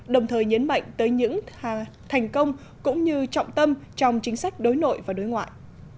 đồng thời nhấn mạnh tới những thành công cũng như trọng tâm trong chính sách đối nội và đối ngoại